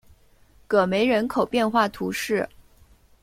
戈梅人口变化图示